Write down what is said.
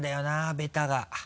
ベタが。